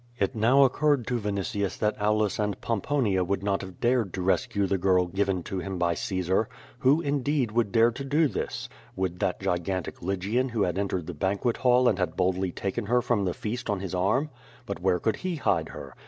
It now occurred to Vinitius that Aulus and Pom ponia would not have dared to rescue the girl given to him by Caesar. AVho, indeed, would dare to do this? Would that gigantic Lygian who had entered the banquet hall and had boldly taken her from the feast on his arm? But where could he hide her?